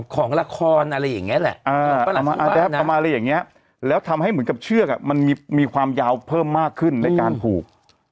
ของละครอะไรอย่างนี้แหละเอามาอะไรอย่างนี้แล้วทำให้เหมือนกับเชือกมันมีความยาวเพิ่มมากขึ้นในการผูก